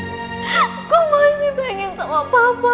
aku masih bingin sama bapak